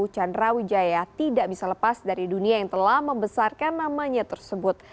chandra wijaya tidak bisa lepas dari dunia yang telah membesarkan namanya tersebut